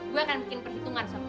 gua akan bikin perhitungan sama lu